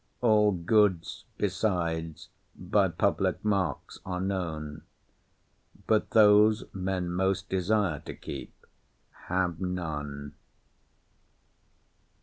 All goods besides by public marks are known: But those men most desire to keep, have none.